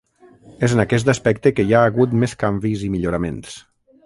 És en aquest aspecte que hi ha hagut més canvis i milloraments.